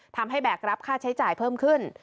แบกรับค่าใช้จ่ายเพิ่มขึ้น